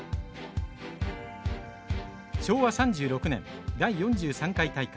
昭和３６年第４３回大会。